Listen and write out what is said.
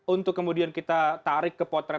untuk kemudian kita tarik ke potret